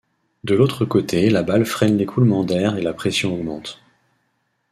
De l'autre côté la balle freine l'écoulement d'air et la pression augmente.